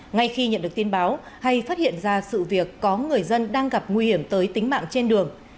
ngay khi nhận được tin báo hay phát hiện ra sự việc có người dân đang gặp nguy hiểm tới tính mạng trên đường